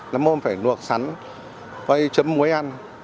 năm hôm phải nuộc sắn quay chấm muối ăn